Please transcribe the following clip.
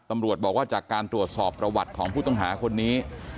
ตำรวจบอกว่าจากการตรวจสอบประวัติของผู้ต้องหาคนนี้